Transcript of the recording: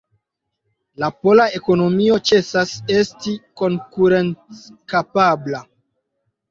La pola ekonomio ĉesas esti konkurenckapabla.